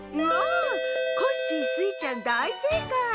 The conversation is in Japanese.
コッシースイちゃんだいせいかい！